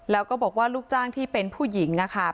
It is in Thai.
แล้วก็บอกว่าลูกจ้างที่เป็นผู้หญิงนะคะ